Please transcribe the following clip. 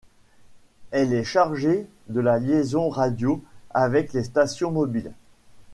Elle est chargée de la liaison radio avec les stations mobiles.